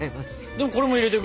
でもこれも入れていく？